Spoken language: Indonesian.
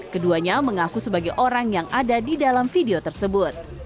keduanya mengaku sebagai orang yang ada di dalam video tersebut